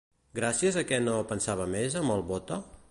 Gràcies a què no pensava més amb el Bóta?